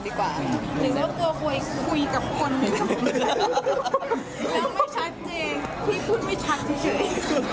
พี่พูดไม่ชัดเกินเฉย